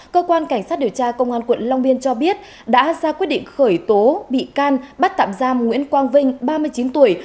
cơ quan cảnh sát điều tra công an quận long biên cho biết đã ra quyết định khởi tố bị can bắt tạm giam nguyễn quang vinh ba mươi chín tuổi